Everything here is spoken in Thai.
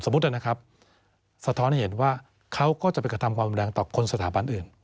นะครับสะท้อนให้เห็นว่าเขาก็จะไปกระทำความแรงต่อคนสถาบันอื่น